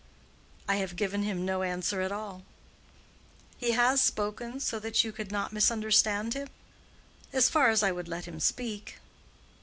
"I have given him no answer at all." "He has spoken so that you could not misunderstand him?" "As far as I would let him speak."